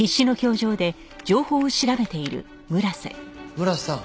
村瀬さん